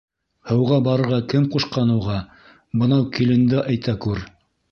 Һыуға барырға кем ҡушҡан уға, бынау киленде әйтә күр!